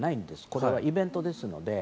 これはイベントですので。